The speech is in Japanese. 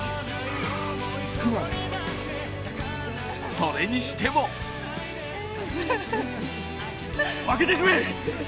それにしても開けてくれ！